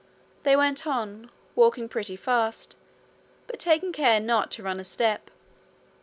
They went on, walking pretty fast, but taking care not to run a step.